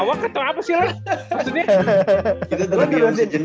aku ngerawak atau apa sih lo